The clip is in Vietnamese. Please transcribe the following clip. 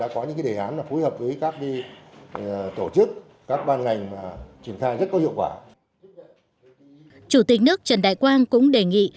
chủ tịch nước trần đại quang đề nghị